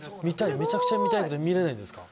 めちゃくちゃ見たいけど見れないんですか？